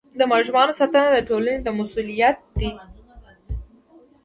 د ماشومانو ساتنه د ټولنې مسؤلیت دی.